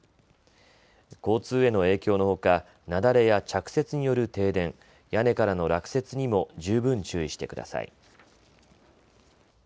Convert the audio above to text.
交通への影響のほか、雪崩や着雪による停電、屋根からの落雪にも十分注意してください。